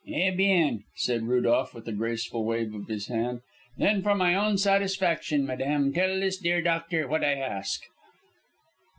"Eh bien," said Rudolph, with a graceful wave of his hand, "then for my own satisfaction, madame, tell this dear doctor what I ask."